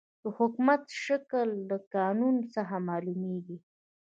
د حکومت شکل د قانون څخه معلوميږي.